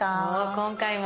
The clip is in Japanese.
今回も。